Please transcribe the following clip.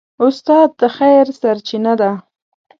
استاد د خیر سرچینه ده.